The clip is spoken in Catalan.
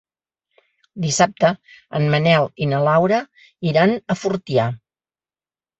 Dissabte en Manel i na Laura iran a Fortià.